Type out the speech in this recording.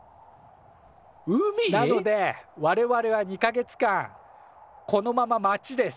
なので我々は２か月間このまま待ちです。